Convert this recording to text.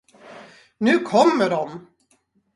Nu kommer dom!